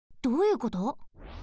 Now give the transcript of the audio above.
どういうこと？